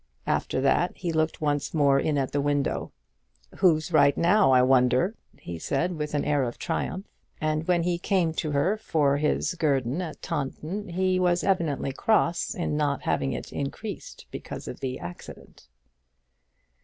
After that he looked once more in at the window. "Who's right now, I wonder?" he said, with an air of triumph. And when he came to her for his guerdon at Taunton, he was evidently cross in not having it increased because of the accident.